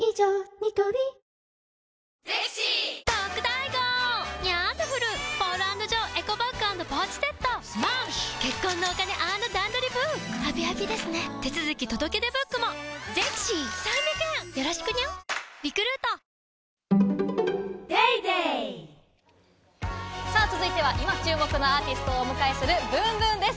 ニトリさあ、続いては今注目のアーティストをお迎えする「ｂｏｏｍｂｏｏｍ」です。